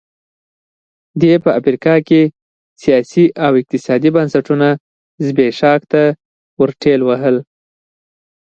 دې په افریقا کې سیاسي او اقتصادي بنسټونه زبېښاک ته ورټېل وهل.